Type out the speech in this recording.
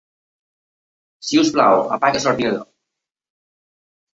Si us plau, apaga l'ordinador.